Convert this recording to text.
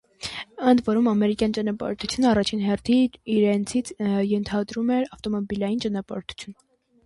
Ընդ որում, ամերիկյան ճանապարհորդությունը, առաջին հերթին, իրենից ենթադրում է ավտոմոբիլային ճանապարհորդություն։